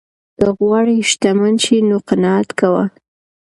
که غواړې شتمن شې نو قناعت کوه.